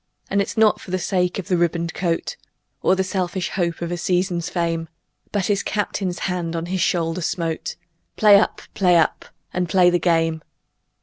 And it's not for the sake of a ribboned coat Or the selfish hope of a season's fame, But his Captain's hand on his shoulder smote; "Play up! Play up! And play the game!"